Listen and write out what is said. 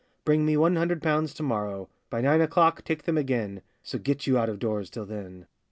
Bring me one hundred pounds to morrow By nine o'clock,—take them again; So get you out of doors till then.